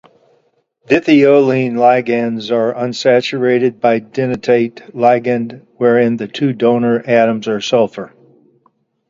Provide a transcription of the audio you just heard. Dithiolene ligands are unsaturated bidentate ligand wherein the two donor atoms are sulfur.